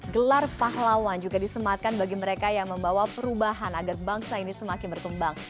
gelar pahlawan juga disematkan bagi mereka yang membawa perubahan agar bangsa ini semakin berkembang